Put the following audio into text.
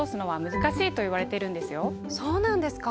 そうなんですか？